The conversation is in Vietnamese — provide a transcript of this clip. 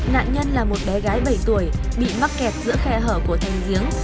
nạn nhân là một bé gái bảy tuổi bị mắc kẹt giữa khe hở của thành giếng